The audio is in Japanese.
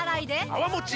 泡もち